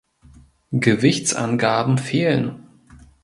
Gewichtsangaben fehlen.